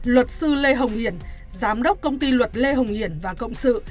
luật sư lê hồng hiển giám đốc công ty luật lê hồng hiển và cộng sự